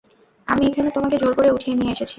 আমি এখানে তোমাকে জোর করে উঠিয়ে নিয়ে এসেছি!